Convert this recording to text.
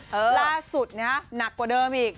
เวลาสุดไงหนักกว่าเดิมอีก